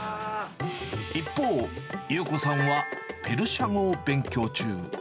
一方、裕子さんはペルシャ語を勉強中。